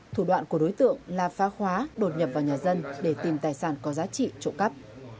thủ đoạn của đối tượng là phá khóa đột nhập vào nhà dân để tìm tài sản có giá trị trộm cắp